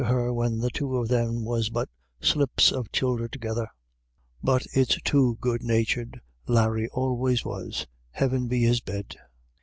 75 her when the two of them was but slips of childer together. But it's too good natured Larry always was — Heaven be his bed